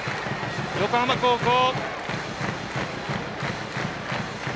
横浜高校。